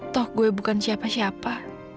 toh gue bukan siapa siapa